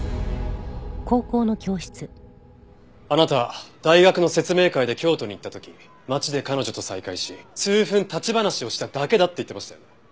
あなたは大学の説明会で京都に行った時町で彼女と再会し数分立ち話をしただけだって言ってましたよね？